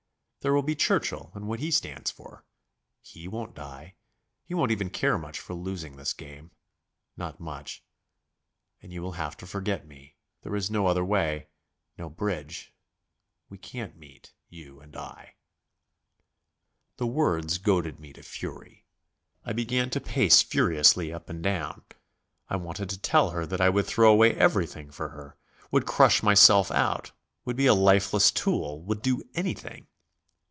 There will be Churchill and what he stands for He won't die, he won't even care much for losing this game ... not much.... And you will have to forget me. There is no other way no bridge. We can't meet, you and I...." The words goaded me to fury. I began to pace furiously up and down. I wanted to tell her that I would throw away everything for her, would crush myself out, would be a lifeless tool, would do anything.